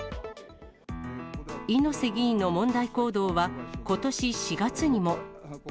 猪瀬議員の問題行動は、ことし４月にも。